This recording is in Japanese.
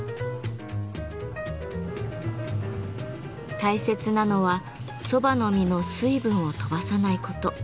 大切なのは蕎麦の実の水分を飛ばさないこと。